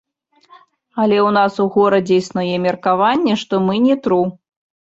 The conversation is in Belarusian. Але ў нас у горадзе існуе меркаванне, што мы не тру.